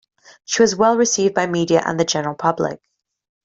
She was well received by media and the general public.